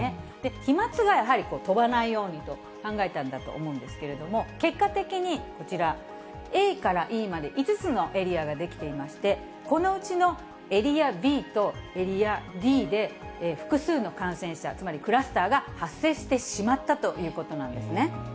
飛まつがやはり飛ばないようにと考えたんだと思うんですけれども、結果的に、こちら、ＡからＥまで５つのエリアが出来ていまして、このうちのエリアＢとエリアＤで複数の感染者、つまりクラスターが発生してしまったということなんですね。